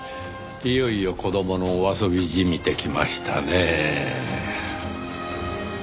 いよいよ子供のお遊びじみてきましたねぇ。